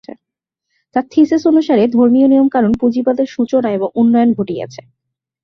তার থিসিস অনুসারে ধর্মীয় নিয়মকানুন পুঁজিবাদের সূচনা এবং উন্নয়ন ঘটিয়েছে।